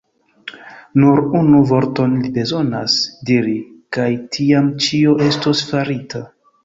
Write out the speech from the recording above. Nur unu vorton li bezonas diri, kaj tiam ĉio estos farita.